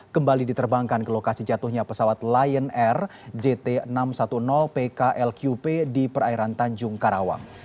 kembali diterbangkan ke lokasi jatuhnya pesawat lion air jt enam ratus sepuluh pklqp di perairan tanjung karawang